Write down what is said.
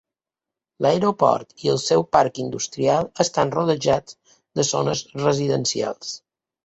L'aeroport i el seu parc industrial estan rodejats de zones residencials.